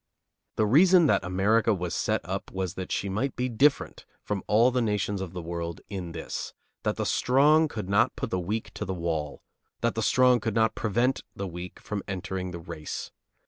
The reason that America was set up was that she might be different from all the nations of the world in this: that the strong could not put the weak to the wall, that the strong could not prevent the weak from entering the race.